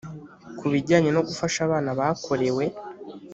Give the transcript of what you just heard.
Ku bijyanye no gufasha abana bakorewe